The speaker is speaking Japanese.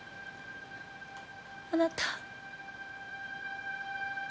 あなた？